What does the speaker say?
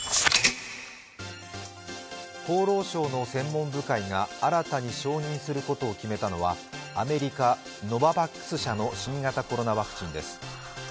厚労省の専門部会が新たに承認することを決めたのはアメリカ・ノババックス社の新型コロナワクチンです。